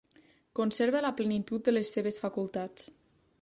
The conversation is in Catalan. Conserva la plenitud de les seves facultats.